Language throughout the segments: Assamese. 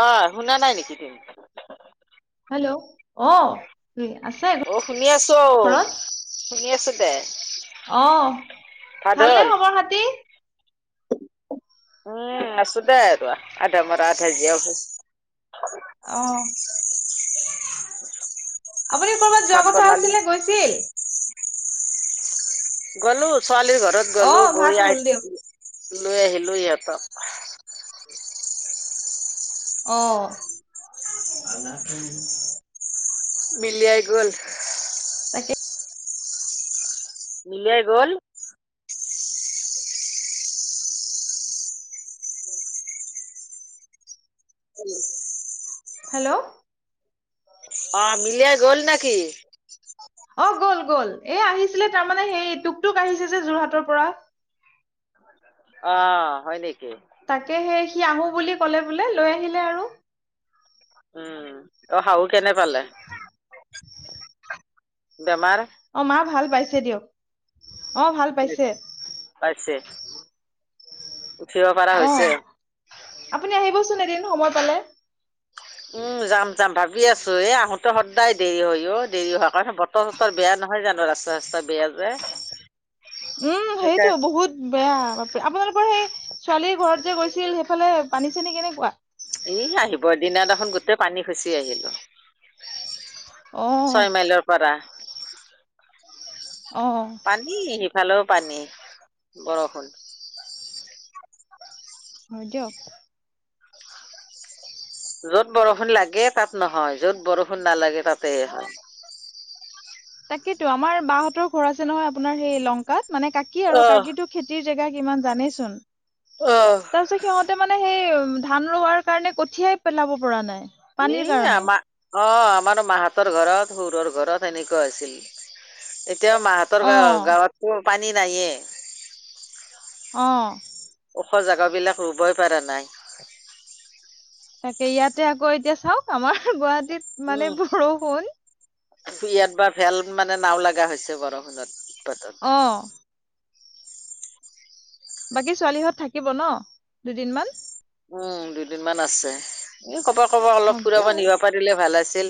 অ শুনা নাই নেকি তুমি হেল্ল' অ কি আছে অ শুনি আছোঁ অ ঘৰত শুনি আছোঁ দে অ ভাত ভাল নে হ'ল? খবৰ খাতি উম আছোঁ দে আৰু আধা মৰা আধা জিয়া হৈ অ আপুনি ক'ৰবাত যোৱা ভাত কথা বনালো, আছিলে গৈছিলে গলোঁ ছোৱালীৰ ঘৰত অ গলোঁ ভাত গৈ হ'ল দিয়ক আহি লৈ আহিলোঁ সিহঁতক অহ মিলি আই গ'ল তাকে মিলিয়াই গ'ল অ [inaudible] হেল্ল' অ মিলিয়াই গ'ল নেকি? অ গ'ল গ'ল এ আহিছিলে তাৰমানে সেই টোকটোক আহিছে যে যোৰহাটৰ পৰা। অ হয় নেকি? তাকে সেই সি আহো বুলি ক'লে বোলে লৈ আহিলে আৰু উম অ শাহু কেনে পালে? বেমাৰ অ মা ভাল পাইছে দিয়ক অ ভাল পাইছে পাইছে উঠিব পাৰা অ হৈছে? আপুনি আহিবচোন এদিন সময় পালে উম যাম যাম ভাবি আছো এ আহোতে সদায় দেৰি হৈ অ দেৰি হোৱাৰ কাৰণ ব বতৰ চতৰ বেয়া নহয় জানো ৰাস্তা চস্তা বেয়া যে উম সেইটো সেইকাৰণে বহুত বেয়া বাপ আপোনালোকৰ সেই ছোৱালীৰ ঘৰত যে গৈছিল সেইফালে পানী চেনী কেনেকুৱা? ই আহিব এ দিনা দেখোন গোটেই পানী খচি আহিলোঁ। অ ছয় মাইলৰ পৰা অ পানী সিফালেও পানী বৰষুণ হয় দিয়ক য'ত বৰষুণ লাগে তাত নহয় য'ত বৰষুণ নালাগে তাতে হয় তাকিটো আমাৰ বাহঁতৰ ঘৰ আছে নহয় আপোনাৰ সেই লংকাত মানে কাকি আৰু অ', কাকিটো খেতিৰ জেগা কিমান জানেচোন অহ তাৰ পিছত সিহতে মানে সেই ধান ৰোৱাৰ কাৰণে কঠিয়াই পেলাব পৰা নাই পানীৰ ই কাৰণে আমাৰ অ আমাৰ মাহতৰ ঘৰত হসুৰৰ ঘৰত সেনেকুৱা আছিল এতিয়াও মাহ তহঁতৰ অ গাঁৱত গাঁৱতো পানী নাইয়ে। অ ওখ জাগৰ বিলাক ৰুবই পৰা নাই। তাকে ইয়াতে আকৌ এতিয়া চাওক আমাৰ গুৱাহাটীত উ মানে বৰষুণ ইয়াত বা ভেল মানে নাও লগা হৈছে বৰষুণৰ উৎপাতত। অঁ বাকী ছোৱালীহঁত থাকিব ন দুদিনমান উম দুদিনমান আছে এ ক'বা কবা অলপ হওক ফুৰাব দিয়ক আৰু নিব পাৰিলে ভাল আছিল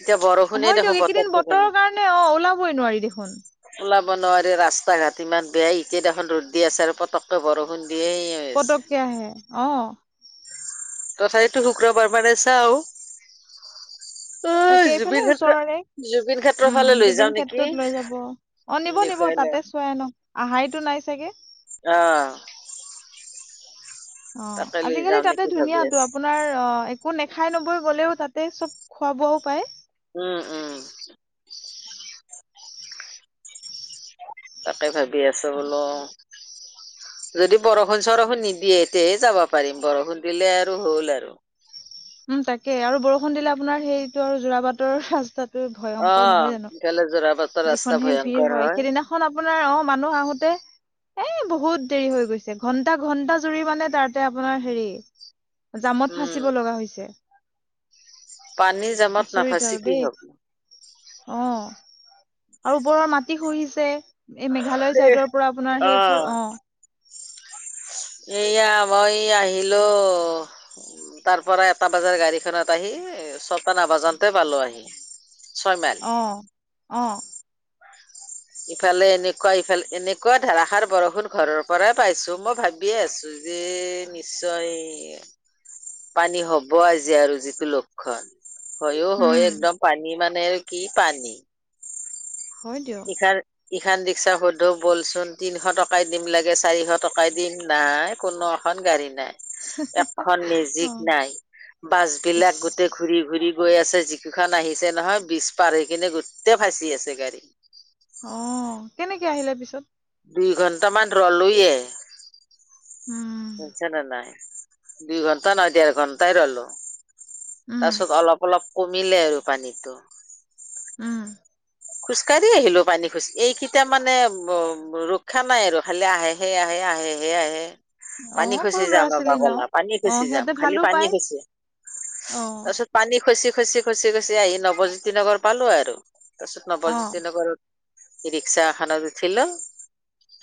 এতিয়া বৰষুণে হয় দেখোন দিয়ক এইকেইদিন বতৰটো কেনে বতৰৰ কাৰণে অ ওলাবই নোৱাৰি দেখোন ওলাব নোৱাৰি ৰাস্তা ঘাট ইমান বেয়াই এতিয়া দেখোন ৰ'দ দি আছে আৰু পতকে বৰষুণ দিয়েই। পতককে আহে অ তথাপিতো শুক্ৰবাৰ মানে চাও অ তাকে এইফালে জুবিন ক্ষেত্ৰ ওচৰৰে জুবিন ক্ষেত্ৰৰ উম ফালে লৈ যাও জুবিন নেকি ক্ষেত্ৰত লৈ যাব অ নিব নিব দেখুৱাই লৈ তাতে চোৱাই ন আহাইতো নাই চাগে অ অ তাকে লৈ আজিকালি যাও তাতে নেকি ভাবি ধুনীয়া ত আছো আপোনাৰ আপোনাৰ একো নেখাই নবৈ গ'লেও তাতে চব খোৱা বোৱাও পায়। উম উম তাকে ভাবি আছো বোলো যদি বৰষুণ চৰষুণ নিদিয়ে তেয়ে যাব পাৰিম বৰষুণ দিলে আৰু হ'ল আৰু উম তাকে আৰু বৰষুণ দিলে আপোনাৰ সেইটো আৰু যোৰাপাটৰ ৰাস্তাত ভয়ংকৰ নহয় অ', জানো ইফালে যোৰাবাটৰ ৰাস্তা যিখনহে ভিৰ ভয়ংকৰ হয় সেইদিনা খন আপোনাৰ অ মানুহ আহোতে এই বহুত দেৰি হৈ গৈছে, ঘণ্টা ঘণ্টা জুৰি মানে তাতে আপোনাৰ হেৰি জামত উম, ফাচিব লগা হৈছে। পানী জামত আচৰিত নাফাচি আৰু কি দেই হ'ব। অ', আৰু ওপৰৰ মাটি খহিছে। এই মেঘালয় চাইডৰ পৰা আপোনাৰ সেই ফোৰ অ'। এয়া [unintelligible] আহিলো। তাৰ পৰা এটা বজাৰ গাড়ীখনত আহি ছটা নাবাজতে পালোঁ আহি। ছয় মাইল। অ', অ'। ইফালে, এনেকুৱা ইফালে এনেকুৱা ধাৰাসাৰ বৰষুণ ঘৰৰ পৰাই পাইছোঁ, মই ভাবিয়ে আছোঁ। যে, নিশ্চয় পানী হ'ব আজি, আৰু যিটো লক্ষণ। হয়ও হয়, উম একদম পানী মানে কি পানী। হয় দিয়ক [unintelligible] ইখন ৰিক্সা সোধো, ব'লচোন তিনিশ টকাই দিম, লাগে চাৰিশ টকাই দিম, নাই কোনো গাড়ী নাই। এখন অ মেজিক নাই, বাছ ইচ বিলাক গোটেই ঘূৰি- ঘূৰি গৈ আছে। যিকইখন আহিছে নহয়, বীজ পাৰ কিনে গোটেই ফচি আছে গাড়ী। অ', কেনেকে আহিলে পিছত? দুই ঘন্টামান ৰলোয়ে, উম শুছেনে নাই? দুই ঘন্টা নহয় দেৰ ঘন্টাই ৰ'লো, উম তাৰ পিছত অলপ-অলপ কমিলে আৰু পানীটো। উম। খোজকাঢ়ি আহিলো পানী খোজ এইকেইটা মানে ৰক্ষা নাই আৰু খালি আহে। সেইয়া আহে, আহে হে আহে। অ পানী খচি সৰু ল'ৰা যাম, ছোৱালী ন [unintelligible] পানী অ খচি যাম সিহঁতে খালি ভালো পানী পায় খচি। অ'। তাৰপিছত পানী খচি-খচি-খচি-খচি আহি নৱজ্যোতি নগৰ পালো আৰু। তাৰ পিছত অ নৱজ্যোতি নগৰত। ৰিক্সা এখনত উঠিলোঁ।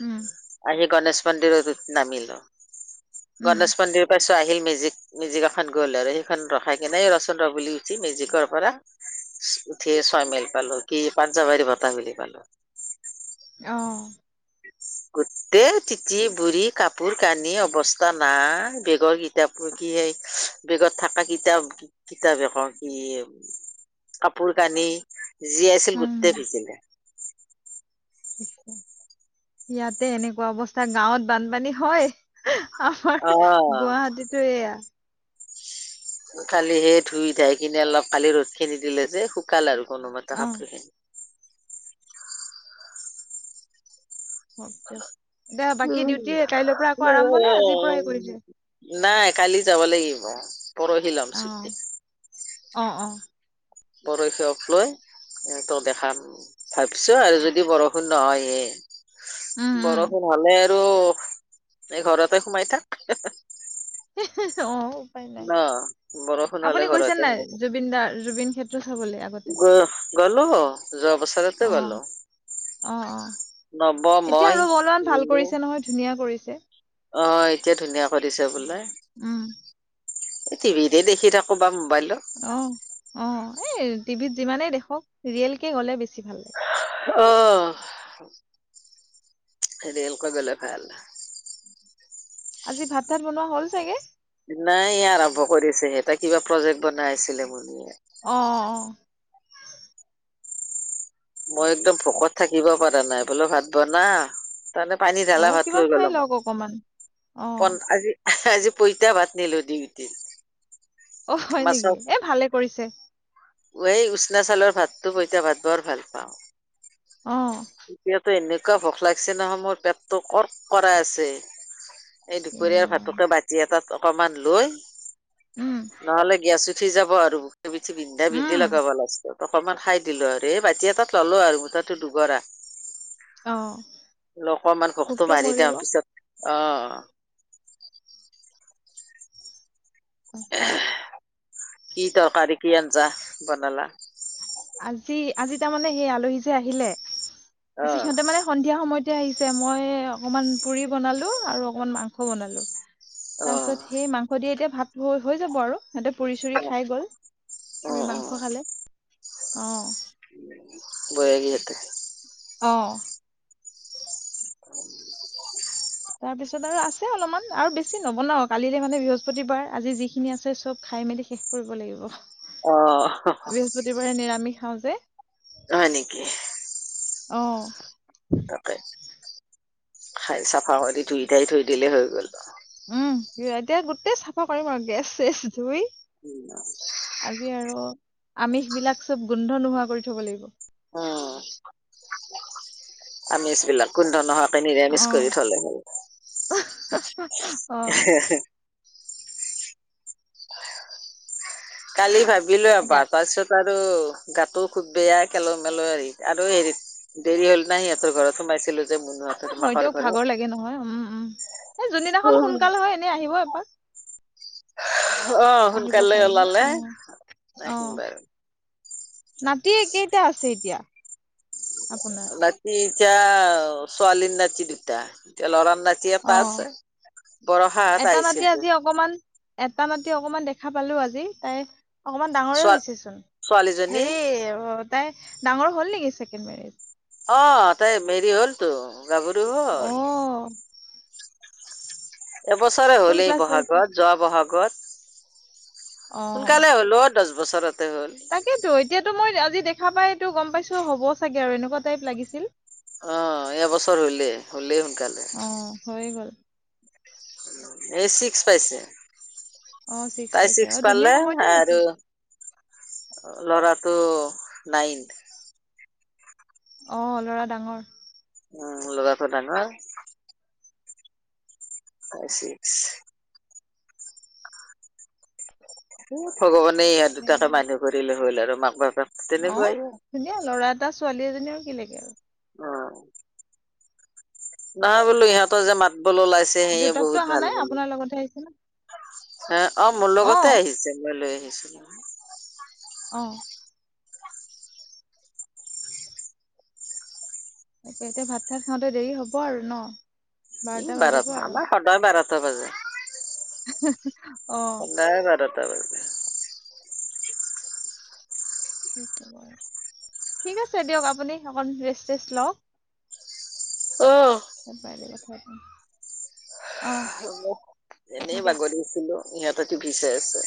উম। আহি গনেশ মন্দিৰত নামিলো। উম গনেশ মন্দিৰ পাছত আহিল মেজিক। মেজিক এখন গ'ল আৰু। সেইখন ৰখাই কিনে ৰ চোন ৰ, বুলি উঠি মেজিকৰ পৰা উঠিয়ে ছয় মাইল পালোঁ। কি পাঞ্জাৱাৰী বতাহ বুলি পালোঁ। অ'। গোটেই তিতি বু়ৰি কাপোৰ কানি অৱস্থা নাই। বেগৰ কিতাপ কি সেই বেগত থাকা কিতাপ-কিতাপ এখন কি কাপোৰ-কানি যি আছিল উম গোটেই ভিজিলে। ইয়াতে এনেকুৱা অৱস্থা, গাঁৱত বানপানী হয়। আমাৰ অ' গুৱাহাটীটো এয়া। কালি সেই ধুই ধাই কিনে, অলপ কালি ৰ'দ খিনি দিলে যে, শুকাল আৰু কোনোবাটো অ কাপোৰ খিনি। হওক দিয়ক এতিয়া বাকী উম। ডিউটি কাইলৈৰ পৰা আকৌ আৰম্ভ নে আজিৰ পৰাই কৰিছে নাই কালি যাব লাগিব। পৰহি ল'ম ছুটি অ', অ', অ'। পৰসি অফ লৈ ত' দেখাম। ভাবিছো আৰু যদি বৰষুণ নহয় হে। উম উম বৰষুণ হ'লে আৰু এই ঘৰতে সোমাই থাক। হেহে অ, উপায় নাই ন বৰষুণ হলে আপুনি গৈছে ঘৰতে নাই? সোমাই থাক জুবিন দাৰ জুবিন ক্ষে গ গলো, যোৱা অ বছৰতে গলো। অ- অ, নৱ এতিয়া মই ৰ অলপমান ভাল ললো কৰিছে নহয় ধুনীয়া কৰিছে। অ, এতিয়া ধুনীয়া কৰিছে বোলে। উম। এ টিভিতে দেখি থাকো বা মোবাইলত। অ- অ, এই টিভিত যিমানেই দেখক চিৰিয়েলকে গ'লে বেছি ভাল লাগে। অহ, চিৰিয়েলকৈ গলে ভাল। আজি ভাত- তাত বনোৱা হ'ল চাগে। নাই ই আৰম্ভ কৰিছে, সেটা কিবা প্ৰজেক্ট বনাই আছিলে মন্দিৰত। অ- অ। মই একদম ভোকত থাকিব পাৰা নাই, বোলো ভাত বনা। তাৰমানে পানী অ ঢালা ভাত কিবা লৈ খাই গলো মোক, লওক অকমান অ ফন আজি আহ আজি পইতা ভাত নিলো ডিউটিত। অহ, হয় নেকি? এ ভালে কৰিছে। অই উচনা চাউলৰ ভাতটো পইতা ভাত বৰ ভাল পাওঁ। অ। এতিয়াতো এনেকুৱা ভোক লাগিছে নহয় মোৰ পেটটো কৰ্ক কৰাই আছে। এই এ দুপৰীয়াৰ ৰাম ভাতকে বাতি এটাত অকমান লৈ উম নহলে গিয়াচ উঠি যাব আৰুে পিঠি বিন্ধা উম বিন্ধি লগাব লাগচ। অকণমান খাই দিলো আৰু এই বাতি এটাত ল'লো আৰু মুঠতে দুগৰা। অ অকমান ঘখটো ভোকটো মাৰি দিওঁ মৰিব পিছত অ। তাক কিয়? কি তৰকাৰী কি আঞ্জা বনালা? আজি - আজি তাৰমানে সেই আলহী যে আহিলে অ তাৰপিছত সিহঁতে মানে সন্ধিয়া সময়তে আহিছে, মই অকণমান পুৰি বনালোঁ আৰু অকণমান মাংস বনালোঁ। অ তাৰ পিছত সেই মাংস দিয়ে এতিয়া ভাতবোৰ হৈ যাব আৰু। সিহতে পুৰি - চুৰি খাই গ'ল, অ পুৰি অ মাংস খালে অ। বয়াগী ইয়াতে। অঁ। তাৰপিছত আৰু আছে অলপমান আৰু বেছি নবনাও, কালিলে মানে বৃহস্পতিবাৰ, আজি যিখিনি আছে চব খাই মেলি শেষ কৰিব লাগিব। অ হহ। বোৰে নিৰামিষ খাওঁ যে। হয় নেকি? অ। তাকে। খাই চাফা কৰি ধুই ধাই থৈ দিলেই হৈ গ'ল বাও। উম, সি এ এতিয়া গোটেই চাফা কৰিম আৰু গেছ - চেছ ধুই। উম। আজি আৰু আমিষবিলাক চব গোন্ধ নোহোৱা কৰি থব লাগিব। আমিষবিলাক, গোন্ধ নোহোৱাকে নিৰামিষ কৰি থলে হল। অহ অ অ। এহে হে। কালি ভাবিলো এতিয়া এবাৰ তাৰপিছত বাৰু গাতো খুব বেয়া খেলো মেলো হেৰি আৰু হেৰিত দেৰি হল না সিহঁতৰ ঘৰত সোমাইছিলো যে মুন অ হয় তেওঁক ভাগৰ লাগে নহয় উম উম এই যোনদিনাখন উম। সোনকালে হয় এনেই আহিব এপাক অ আহিব সোনকালে পাৰিলে ওলালে অ', আহিম অ'। বাৰু নাতি কেইটা আছে এতিয়া আপোনাৰ নাতি এতিয়া ছোৱালী নাতি দুটা এতিয়া লৰা নাতি এতিয়া অ', পাছ বৰষাত এটা নাতি আহিছিল আজি অকমান এটা নাতি অকমান দেখা পালো আজি তাই অকমান ডাঙৰে ছোৱা হৈছে চোন ছোৱালীজনী হেৰি তাই ডাঙৰ হ'ল নেকি ছেকেণ্ড মেৰেজ অ তাই মেৰি হ'লতো গাভৰু হ'ল অ', এবছৰে কোন হ'ল এই ক্লাছ পাইছে? বহাগত যোৱা বহাগত সোনকালে হলত দহ বছৰতে হ'ল তাকেইেতো এতিয়াতো মই আজি দেখা পাইতো গম পাইছো হ'ব চাগে আৰু এনেকুৱা টাইপ লাগিছিল অ এবছৰ হলেই হলেই সোনকালে অ হৈ গ'ল এই চিক্স পাইছে অ চিক্স তাই পাইছে ছিক্স আৰু পালে ধুনীয়া সময়তে আৰু হৈছে ল'ৰাটো নাইন অ ল'ৰা ডাঙৰ উম লৰাটো ডাঙৰ হয় ছিক্স এ ভগৱানে ই দুটাকে মানুহ কৰিলে হ'ল আৰু মাক বাপেক অ তেনেকুৱাই আৰু ধুনীয়া ল'ৰা এটা ছোৱালী এজনী আৰু কি লাগে আৰু অ নহয় বোলোঁ ইিহঁতৰ যে মাত বোল ওলাইছে সেয়ে দেউতাকতো বহুত অহা ভাল নাই বোলোঁ আপোনাৰ লগতহে আহিছে ন হ অ মোৰ লগতে আহিছে মই লৈ আহিছিলোঁ অ ইতাকে এতিয়া ভাত তাত খাওঁতে দেৰি হ'ব আৰু ন কি বাজিব বাৰটা আৰু আমাৰ সদায় বাৰটা বাজে হা হা সদায় বাৰটা বাজে ঠিক আছে দিয়ক আপুনি অকণ ৰেষ্ট চেষ্ট লওক অ [unintelligible] অ এনেই দিয়ক বাগৰি আছিলো ইয়াতে টিভি চাই আছে